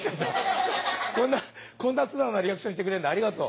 こんな素直なリアクションしてくれるんだありがとう。